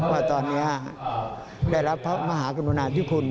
ว่าตอนนี้ได้รับพระมหากรุณาธิคุณ